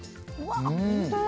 本当だ！